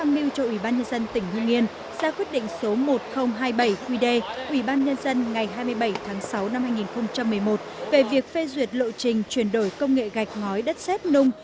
ngày hai mươi bảy tháng sáu năm hai nghìn một mươi một về việc phê duyệt lộ trình chuyển đổi công nghệ gạch ngói đất xét nung